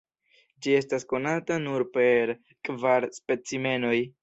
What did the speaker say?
Ĝi estas konata nur per kvar specimenoj.